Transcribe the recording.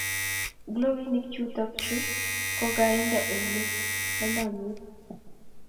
Glovinik chutok chuu ko kainde eunek lalngiet